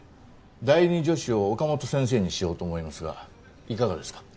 第二助手を岡本先生にしようと思いますがいかがですか？